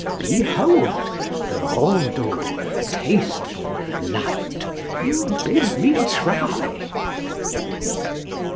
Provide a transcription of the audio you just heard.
Behold! the rondeau, tasteful, light, You bid me try!